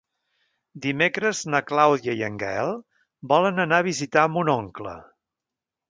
Dimecres na Clàudia i en Gaël volen anar a visitar mon oncle.